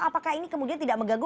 apakah ini kemudian tidak mengganggu